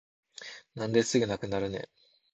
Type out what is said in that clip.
なんですぐなくなるねん